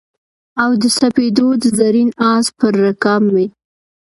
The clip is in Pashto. او د سپېدو د زرین آس پر رکاب مې